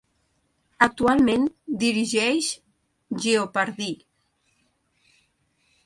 Actualment dirigeix "Jeopardy!".